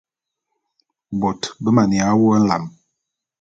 Bôt be maneya wu nlam.